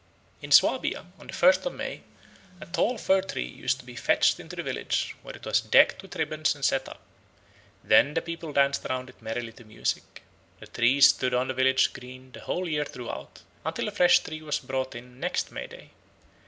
In Swabia on the first of May a tall fir tree used to be fetched into the village, where it was decked with ribbons and set up; then the people danced round it merrily to music. The tree stood on the village green the whole year through, until a fresh tree was brought in next May Day.